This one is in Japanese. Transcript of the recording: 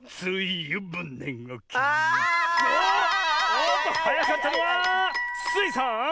おっとはやかったのはスイさん！